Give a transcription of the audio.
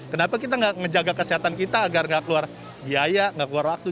kenapa kita gak menjaga kesehatan kita agar gak keluar biaya gak keluar waktu